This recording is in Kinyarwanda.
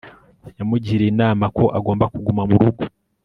yamugiriye inama ko agomba kuguma mu rugo